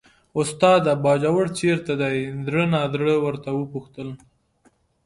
استاده! باجوړ چېرته دی، زړه نازړه ورته وپوښتل.